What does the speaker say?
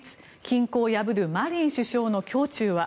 均衡を破るマリン首相の胸中は。